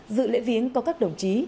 dự lễ viếng có các đồng chí